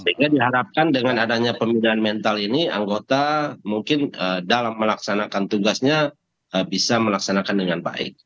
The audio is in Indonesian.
sehingga diharapkan dengan adanya pemindahan mental ini anggota mungkin dalam melaksanakan tugasnya bisa melaksanakan dengan baik